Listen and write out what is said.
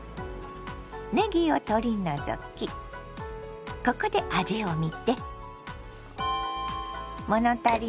ねぎを取り除きここで味をみて。